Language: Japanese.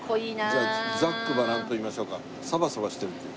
じゃあざっくばらんといいましょうかサバサバしてるという？